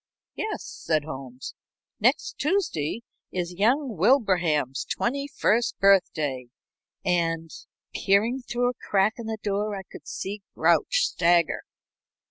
"Yes," said Holmes. "Next Tuesday is young Wilbraham's twenty first birthday, and " Peering through a crack in the door I could see Grouch stagger.